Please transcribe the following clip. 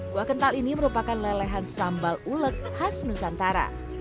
kuah kental ini merupakan lelehan sambal uleg khas nusantara